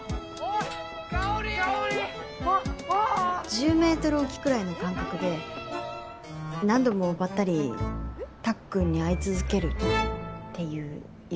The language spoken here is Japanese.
１０メートルおきくらいの間隔で何度もばったりたっくんに会い続けるっていう夢。